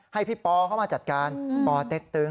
ให้พี่ปอเข้ามาจัดการปเต็กตึง